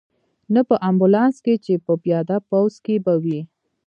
نه په امبولانس کې، چې په پیاده پوځ کې به وې.